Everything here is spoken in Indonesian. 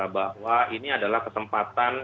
bahwa ini adalah kesempatan